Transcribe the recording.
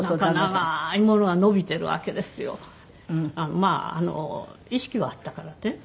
まあ意識はあったからね。